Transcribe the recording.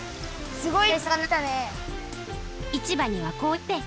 すごい！